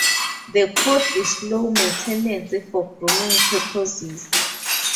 The coat is low maintenance for grooming purposes.